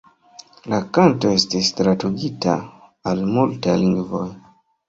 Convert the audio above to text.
La kanto estis tradukita al multaj lingvoj.